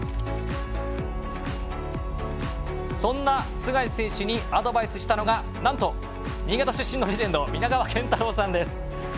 そんな須貝選手にアドバイスしたのがなんと新潟出身のレジェンド皆川賢太郎さんです。